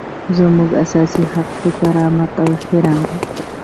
زموږ اساسي حق د کرامت او احترام دی.